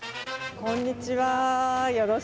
こんにちは。